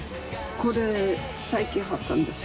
これ最近貼ったんですよ。